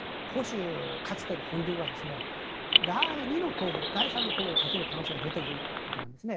かつての保守本流は第２の候補、第３の候補を立てる可能性が出てくるということなんですね。